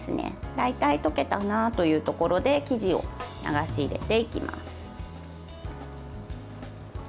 大体溶けたなというところで生地を流し入れていきます。